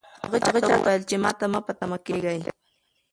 هغه چا ته وویل چې ماته مه په تمه کېږئ.